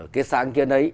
cái sáng kia đấy